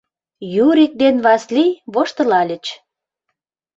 Юрик ден Васлий воштылальыч.